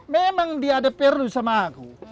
memang dia ada perlu sama aku